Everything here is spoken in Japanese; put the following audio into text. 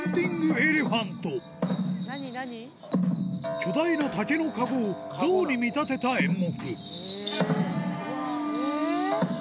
巨大な竹のかごを象に見立てた演目